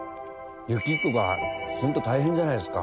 雪とかホント大変じゃないですか。